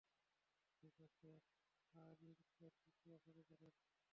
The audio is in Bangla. ঠিক আছে, ফায়ারিং এর প্রক্রিয়া শুরু করুন।